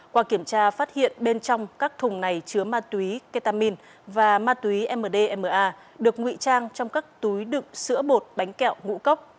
qua kiểm tra phát hiện bên trong các thùng này chứa ma túy ketamin và ma túy mdma được ngụy trang trong các túi đựng sữa bột bánh kẹo ngũ cốc